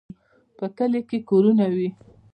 په کلي کې کورونه وي.